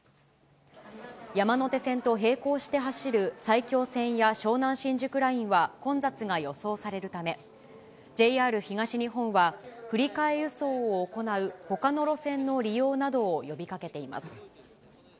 山手線と並行して走る埼京線や湘南新宿ラインは混雑が予想されるため、ＪＲ東日本は振り替え輸送を行うほかの路線の利用などを呼びかけています。